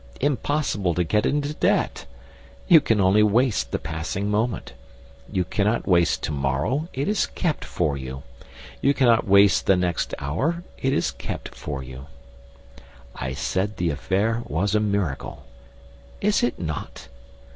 Impossible to get into debt! You can only waste the passing moment. You cannot waste to morrow; it is kept for you. You cannot waste the next hour; it is kept for you. I said the affair was a miracle. Is it not?